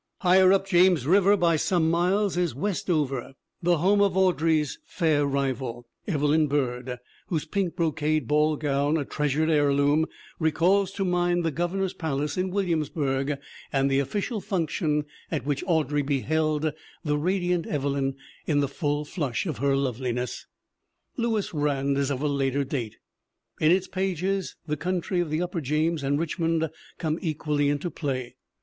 "Higher up James River by some miles is West over, the home of Audrey's fair rival, Evelyn Byrd, whose pink brocade ball gown, a treasured heirloom, recalls to mind the governor's palace in Williamsburg and the official function at which Audrey beheld the radiant Evelvn in the full flush of her loveliness. 144 THE WOMEN WHO MAKE OUR NOVELS "Lewis Rand is of a later date. In its pages the country of the upper James and Richmond come equally into play.